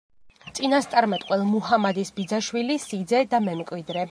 წინასწარმეტყველ მუჰამადის ბიძაშვილი, სიძე და მემკვიდრე.